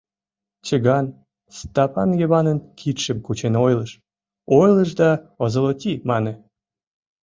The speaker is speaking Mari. Чыган Стапан Йыванын кидшым кучен ойлыш, ойлыш да «озолоти» мане.